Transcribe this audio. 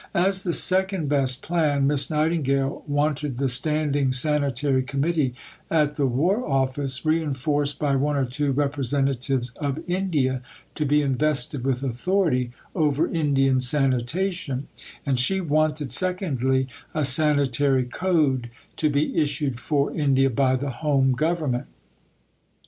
As the second best plan, Miss Nightingale wanted the standing Sanitary Committee at the War Office, reinforced by one or two representatives of India, to be invested with authority over Indian sanitation, and she wanted, secondly, a Sanitary Code to be issued for India by the Home Government.